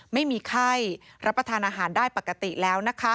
ไม่มีไข้รับประทานอาหารได้ปกติแล้ว